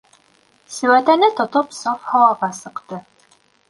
Сеүәтәне тотоп саф һауаға сыҡты.